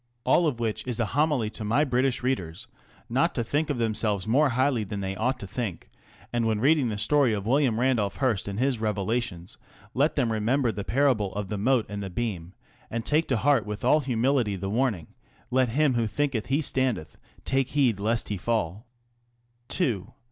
All of which is a homily to my British readers not to think of themselves more highly than they ought to think, and when reading the story of W. Randolph Hearst and his revelations let them remember the parable of the mote and the beam, and take to heart with all humility the warning, Let him who thinketh he standeth take heed lest he fall. II.